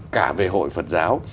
cả về hội phật giáo